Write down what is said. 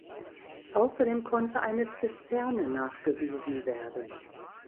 Außerdem konnte eine Zisterne nachgewiesen werden.